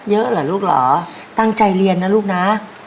เยอะเหรอลูกเหรอตั้งใจเรียนนะลูกนะ